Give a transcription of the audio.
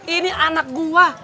ini anak gua